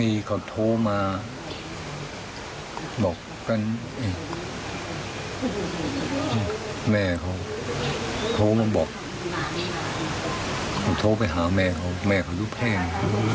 มีเขาโทรมาบอกกันแม่เขาโทรมาบอกเขาโทรไปหาแม่เขาแม่เขายุบแห้ง